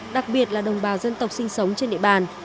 đặc biệt là đồng bào dân tộc sinh sống trên địa bàn